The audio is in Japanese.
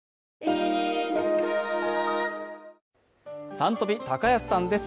「Ｓｕｎトピ」、高安さんです。